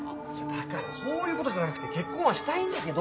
だからそういうことじゃなくて結婚はしたいんだけど！